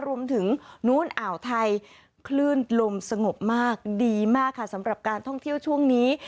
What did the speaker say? รวมถึงนู้นอ่าวไทยคลื่นลมสงบมากดีมากค่ะสำหรับการท่องเที่ยวช่วงนี้